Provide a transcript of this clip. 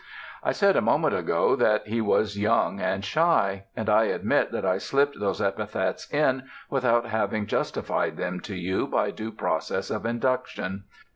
I said a moment ago that he was young and shy; and I admit that I slipped those epithets in without having justified them to you by due process of induction.